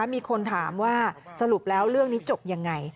มีคนถามว่าสรุปแล้วเรื่องนี้จบยังไง